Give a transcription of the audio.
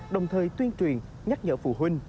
đồng thời tuyên truyền nhắc nhở phụ huynh